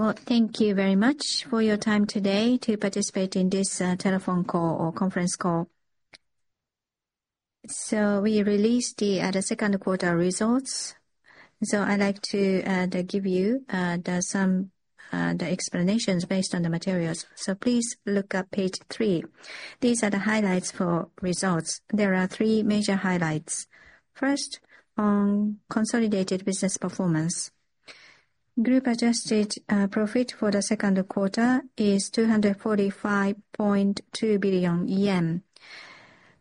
Well, thank you very much for your time today to participate in this telephone call or conference call. So we released the second quarter results, so I'd like to give you some explanations based on the materials. So please look at page three. These are the highlights for results. There are three major highlights. First, on consolidated business performance. Group Adjusted Profit for the second quarter is 245.2 billion yen.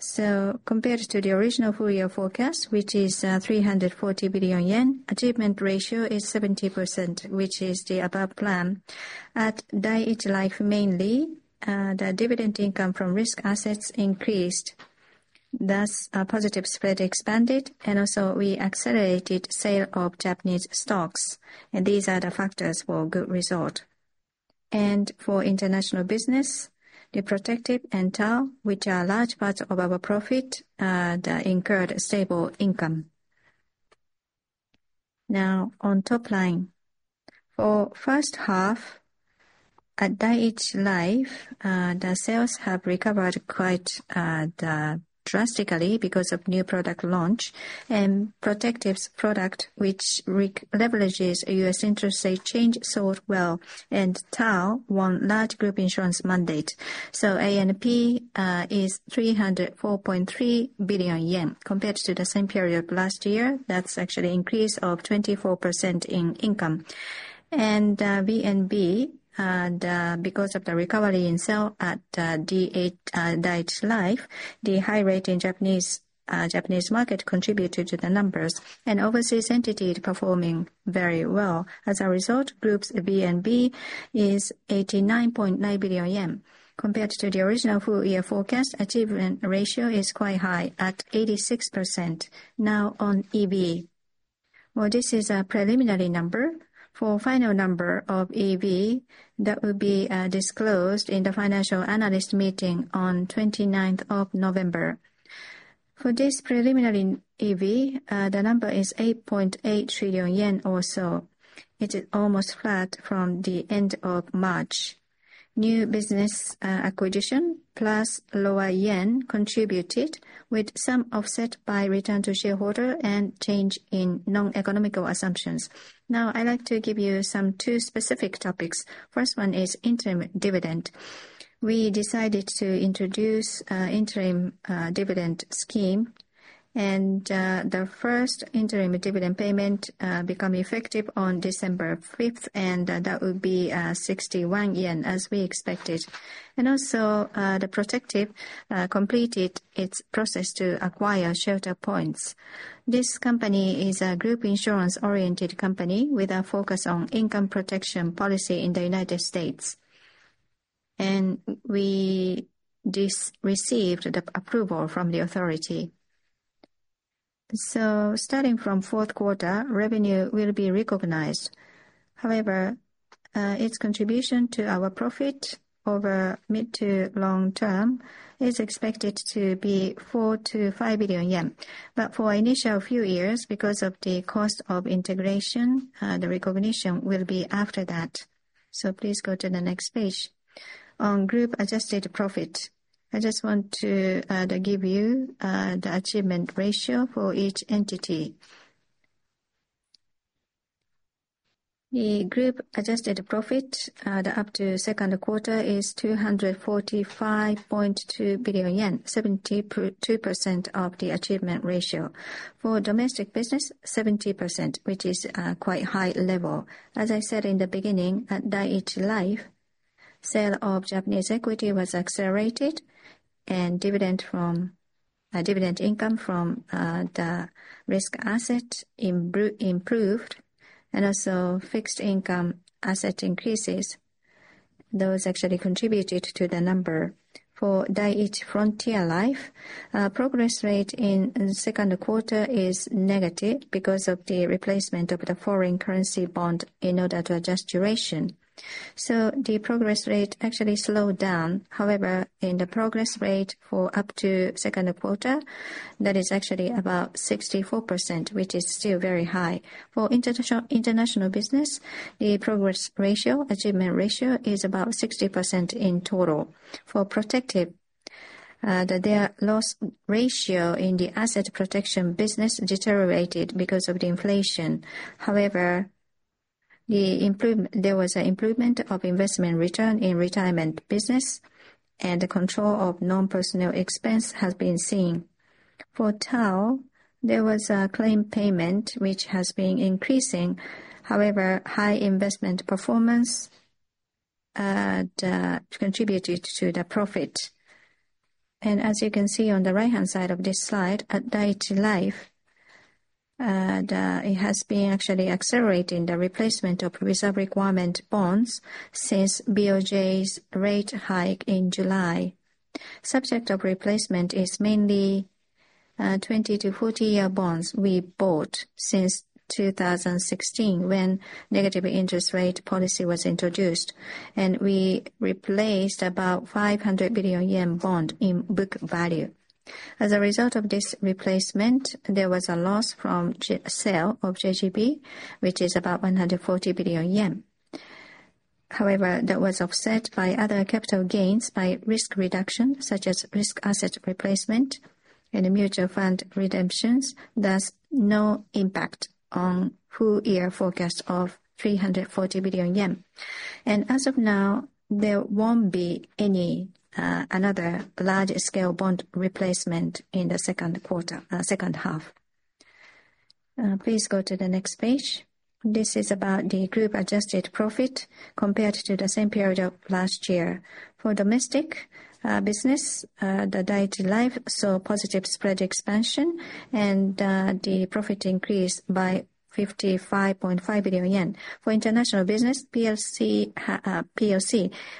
So compared to the original full-year forecast, which is 340 billion yen, achievement ratio is 70%, which is the above plan. At Dai-ichi Life mainly, the dividend income from risk assets increased. Thus, our positive spread expanded, and also we accelerated sale of Japanese stocks. And these are the factors for good result. And for international business, the Protective and TAL, which are large parts of our profit, incurred stable income. Now, on top line. For first half, at Dai-ichi Life, the sales have recovered quite drastically because of new product launch. And Protective's product, which leverages U.S. interest rate change, sold well, and TAL won large group insurance mandate. So ANP is 304.3 billion yen compared to the same period last year. That's actually an increase of 24% in income. And VNB, because of the recovery in sale at Dai-ichi Life, the high rate in Japanese market contributed to the numbers. And overseas entities performing very well. As a result, Group's VNB is 89.9 billion yen. Compared to the original full-year forecast, achievement ratio is quite high at 86%. Now, on EV. Well, this is a preliminary number. For final number of EV, that will be disclosed in the financial analyst meeting on 29th of November. For this preliminary EV, the number is 8.8 trillion yen or so. It is almost flat from the end of March. New business acquisition plus lower yen contributed, with some offset by return to shareholder and change in non-economic assumptions. Now, I'd like to give you some two specific topics. First one is interim dividend. We decided to introduce an interim dividend scheme, and the first interim dividend payment becomes effective on December 5th, and that will be 61 yen, as we expected, and also, Protective completed its process to acquire ShelterPoint. This company is a group insurance-oriented company with a focus on income protection policy in the United States, and we received the approval from the authority, so starting from fourth quarter, revenue will be recognized. However, its contribution to our profit over mid to long term is expected to be 4 billion-5 billion yen. But for initial few years, because of the cost of integration, the recognition will be after that. So please go to the next page. On group adjusted profit, I just want to give you the achievement ratio for each entity. The group adjusted profit up to second quarter is 245.2 billion yen, 72% of the achievement ratio. For domestic business, 70%, which is quite high level. As I said in the beginning, at Dai-ichi Life, sale of Japanese equity was accelerated, and dividend income from the risk asset improved, and also fixed income asset increases. Those actually contributed to the number. For Dai-ichi Frontier Life, progress rate in second quarter is negative because of the replacement of the foreign currency bond in order to adjust duration. So the progress rate actually slowed down. However, in the progress rate for up to second quarter, that is actually about 64%, which is still very high. For international business, the progress ratio, achievement ratio, is about 60% in total. For Protective, their loss ratio in the asset protection business deteriorated because of the inflation. However, there was an improvement of investment return in retirement business, and control of non-personnel expense has been seen. For TAL, there was a claim payment which has been increasing. However, high investment performance contributed to the profit. As you can see on the right-hand side of this slide, at Dai-ichi Life, it has been actually accelerating the replacement of reserve requirement bonds since BOJ's rate hike in July. Subject of replacement is mainly 20-40-year bonds we bought since 2016 when negative interest rate policy was introduced, and we replaced about 500 billion yen bond in book value. As a result of this replacement, there was a loss from sale of JGB, which is about 140 billion yen. However, that was offset by other capital gains, by risk reduction, such as risk asset replacement and mutual fund redemptions. Thus, no impact on full-year forecast of 340 billion yen. And as of now, there won't be any another large-scale bond replacement in the second quarter, second half. Please go to the next page. This is about the group adjusted profit compared to the same period of last year. For domestic business, the Dai-ichi Life saw positive spread expansion, and the profit increased by 55.5 billion yen. For international business, PLC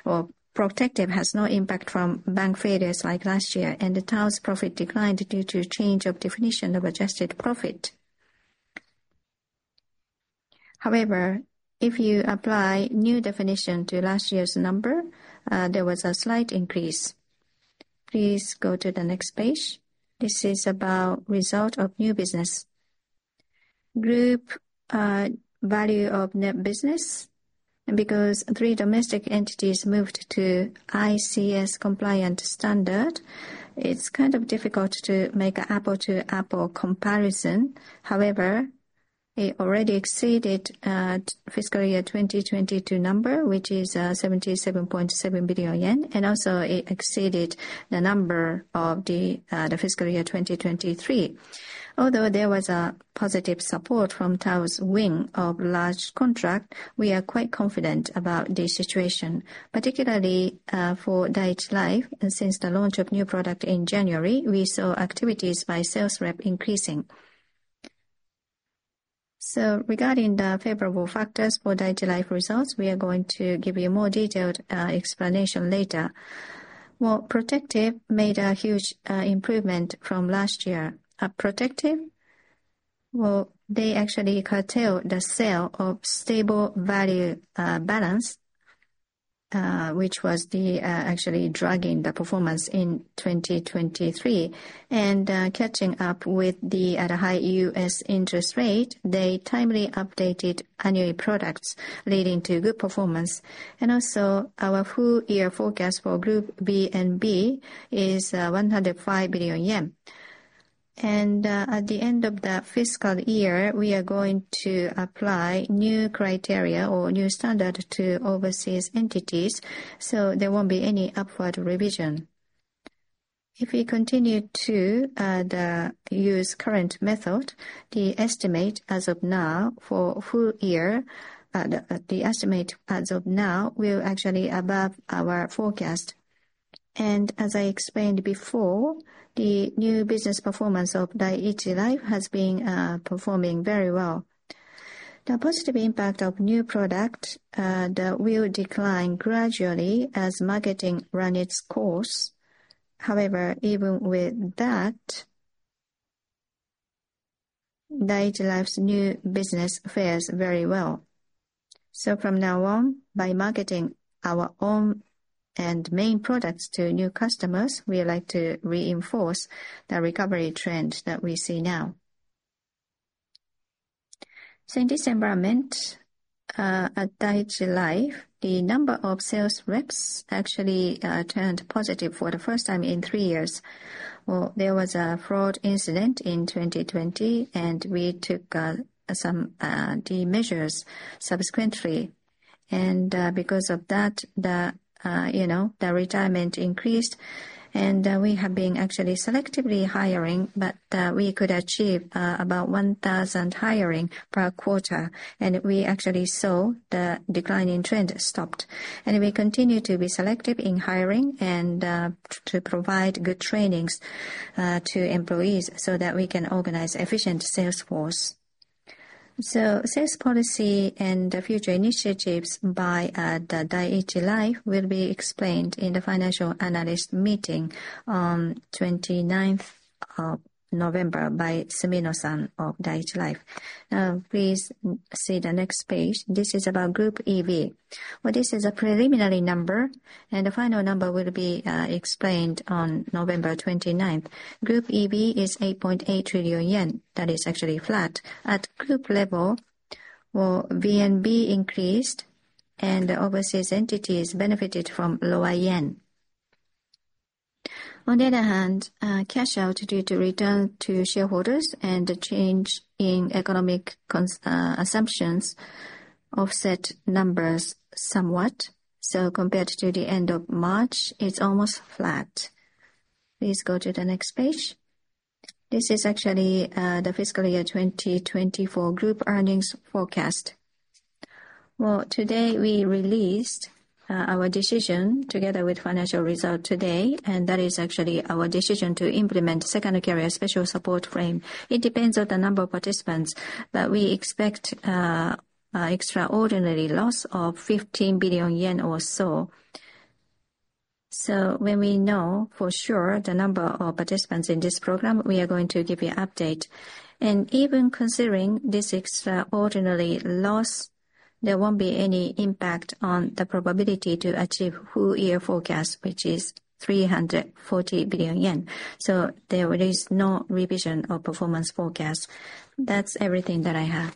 or Protective has no impact from bank failures like last year, and the TAL's profit declined due to change of definition of adjusted profit. However, if you apply new definition to last year's number, there was a slight increase. Please go to the next page. This is about result of new business. Group value of new business. Because three domestic entities moved to ICS-compliant standard, it's kind of difficult to make an apples-to-apples comparison. However, it already exceeded fiscal year 2022 number, which is 77.7 billion yen, and also it exceeded the number of the fiscal year 2023. Although there was a positive support from TAL's win of large contract, we are quite confident about the situation, particularly for Dai-ichi Life. Since the launch of new product in January, we saw activities by sales rep increasing. So regarding the favorable factors for Dai-ichi Life results, we are going to give you a more detailed explanation later. Well, Protective made a huge improvement from last year. Protective, well, they actually curtailed the sale of stable value balance, which was actually dragging the performance in 2023. Catching up with the high U.S. interest rate, they timely updated annuity products, leading to good performance. Also, our full-year forecast for Group VNB is 105 billion yen. At the end of the fiscal year, we are going to apply new criteria or new standard to overseas entities, so there won't be any upward revision. If we continue to use current method, the estimate as of now for full year, the estimate as of now will actually above our forecast. As I explained before, the new business performance of Dai-ichi Life has been performing very well. The positive impact of new product will decline gradually as marketing runs its course. However, even with that, Dai-ichi Life's new business fares very well. From now on, by marketing our own and main products to new customers, we would like to reinforce the recovery trend that we see now. In this environment, at Dai-ichi Life, the number of sales reps actually turned positive for the first time in three years. There was a fraud incident in 2020, and we took some measures subsequently. Because of that, the retirement increased, and we have been actually selectively hiring, but we could achieve about 1,000 hiring per quarter. We actually saw the declining trend stopped. We continue to be selective in hiring and to provide good trainings to employees so that we can organize an efficient sales force. Sales policy and future initiatives by the Dai-ichi Life will be explained in the financial analyst meeting on 29th of November by Sumino-san of Dai-ichi Life. Now, please see the next page. This is about Group EV. Well, this is a preliminary number, and the final number will be explained on November 29th. Group EV is 8.8 trillion yen. That is actually flat. At group level, well, VNB increased, and the overseas entities benefited from lower yen. On the other hand, cash out due to return to shareholders and the change in economic assumptions offset numbers somewhat. So compared to the end of March, it's almost flat. Please go to the next page. This is actually the fiscal year 2024 group earnings forecast. Well, today we released our decision together with financial result today, and that is actually our decision to implement Second Career Special Support Frame. It depends on the number of participants, but we expect extraordinary loss of 15 billion yen or so. So when we know for sure the number of participants in this program, we are going to give you an update. And even considering this extraordinary loss, there won't be any impact on the probability to achieve full-year forecast, which is 340 billion yen. So there is no revision of performance forecast. That's everything that I have.